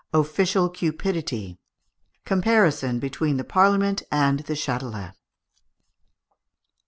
Official Cupidity. Comparison between the Parliament and the Châtelet.